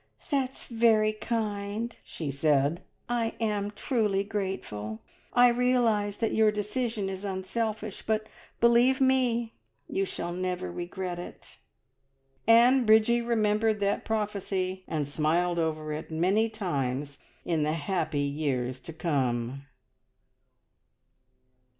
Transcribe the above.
"That's very kind!" she said. "I am truly grateful. I realise that your decision is unselfish, but believe me, you shall never regret it!" And Bridgie remembered that prophecy, and smiled over it many times in the happy years to come.